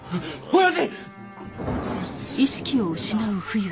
親父。